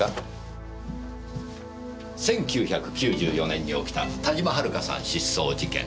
１９９４年に起きた田島遥さん失踪事件。